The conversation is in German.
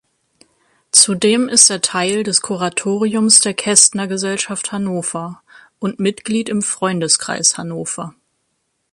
Zudem ist er Teil des Kuratoriums der Kestnergesellschaft Hannover und Mitglied im Freundeskreis Hannover.